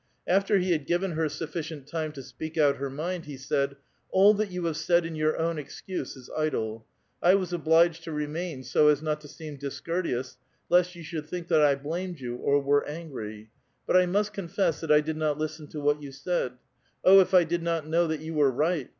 After he bad given her sufficient tiuiL' to s«i»eak out hvr niiud, he said: —*' All tliat you liave s:itd in your own excuse is idle. I was obliiiiil to reiuaiu so as not to seem discouileous, lest you should think that I ManiiHl you or were angry. But I must coufi'ss that 1 did not lis»teii to what vou said. Oh, if I did not know that ymi were right